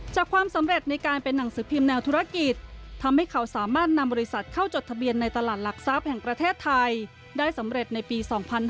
ความสำเร็จในการเป็นหนังสือพิมพ์แนวธุรกิจทำให้เขาสามารถนำบริษัทเข้าจดทะเบียนในตลาดหลักทรัพย์แห่งประเทศไทยได้สำเร็จในปี๒๕๕๙